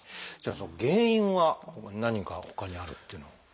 じゃあその原因は何かほかにあるっていうのは？